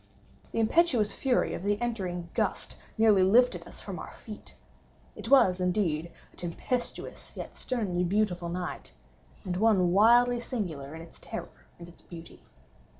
The impetuous fury of the entering gust nearly lifted us from our feet. It was, indeed, a tempestuous yet sternly beautiful night, and one wildly singular in its terror and its beauty.